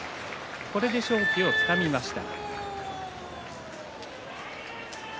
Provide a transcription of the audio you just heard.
これで勝機をつかみました。